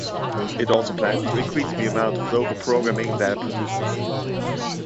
It also plans to increase the amount of local programming that it produces.